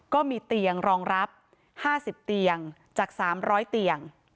ก็มีเตียงรองรับ๕๐เตียงจาก๓๐๐เตียง